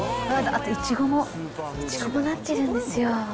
イチゴも、イチゴもなってるんですよ。